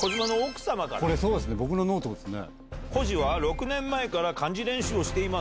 僕のノートですね。